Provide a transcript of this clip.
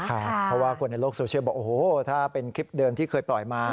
เพราะว่าคนในโลกโซเชียลบอกโอ้โหถ้าเป็นคลิปเดิมที่เคยปล่อยมา